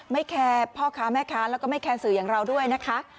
แคร์พ่อค้าแม่ค้าแล้วก็ไม่แคร์สื่ออย่างเราด้วยนะคะ